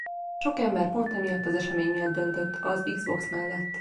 Sok ember pont emiatt az esemény miatt döntött az Xbox mellett.